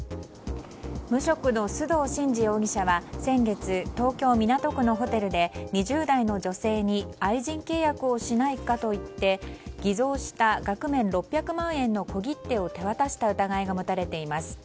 無職の須藤慎司容疑者は先月東京・港区のホテルで２０代の女性に愛人契約をしないかと言って偽造した額面６００万円の小切手を手渡した疑いが持たれています。